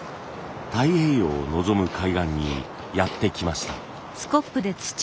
太平洋を望む海岸にやって来ました。